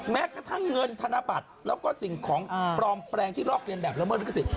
แม้กระทั่งเงินธนบัตรแล้วก็สิ่งของปลอมแปลงที่ลอกเรียนแบบละเมิดลิขสิทธ